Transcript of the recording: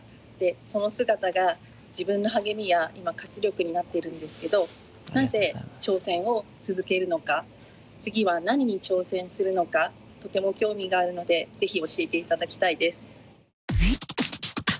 その姿が自分の励みや今活力になっているんですけどなぜ挑戦を続けるのか次は何に挑戦するのかとても興味があるのでぜひ教えて頂きたいです。